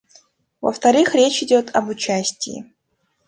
Во-вторых, речь идет об участии.